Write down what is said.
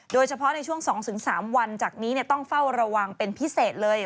โดยเฉพาะในช่วง๒๓วันจากนี้ต้องเฝ้าระวังเป็นพิเศษเลย